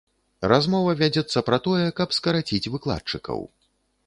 Размова вядзецца пра тое, каб скараціць выкладчыкаў.